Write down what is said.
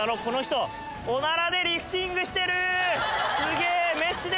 この人オナラでリフティングしてる！